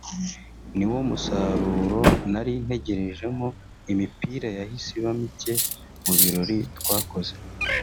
niwo musaruro nari ntegerejemo…imipira yahise iba mike mu birori twakoze